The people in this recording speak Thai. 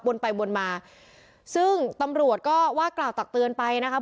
ไปวนมาซึ่งตำรวจก็ว่ากล่าวตักเตือนไปนะคะ